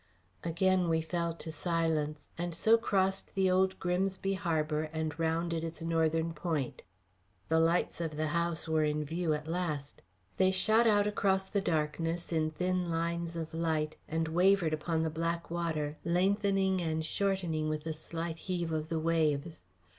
Again we fell to silence, and so crossed the Old Grimsby Harbour and rounded its northern point. The lights of the house were in view at last. They shot out across the darkness in thin lines of light and wavered upon the black water lengthening and shortening with the slight heave of the waves.